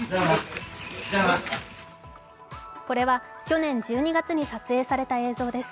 これは去年１２月に撮影された映像です。